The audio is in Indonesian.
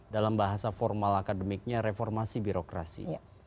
dalam bahasa formal akademiknya reformasi birokrasi